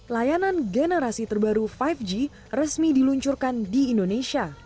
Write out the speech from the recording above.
layanan generasi terbaru lima g resmi diluncurkan di indonesia